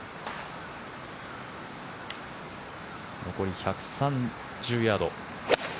残り１３０ヤード。